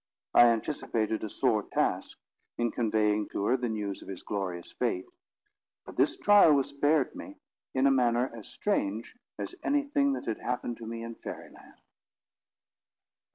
I anticipated a sore task, in conveying to her the news of his glorious fate: but this trial was spared me, in a manner as strange as anything that had happened to me in Fairy Land.